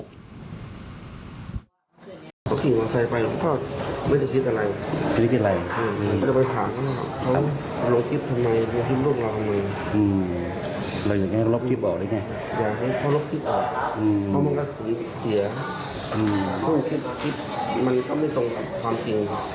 ก็ทั้งสองฝ่ายก็ยอมยุติเรื่องระหว่างกันนะครับ